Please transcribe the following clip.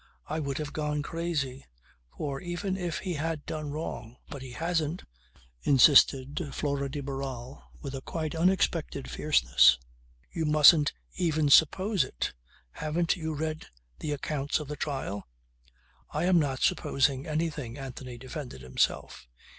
I would have gone crazy. For even if he had done wrong " "But he hasn't," insisted Flora de Barral with a quite unexpected fierceness. "You mustn't even suppose it. Haven't you read the accounts of the trial?" "I am not supposing anything," Anthony defended himself.